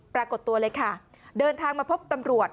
ปรากฏตัวเลยค่ะเดินทางมาพบตำรวจ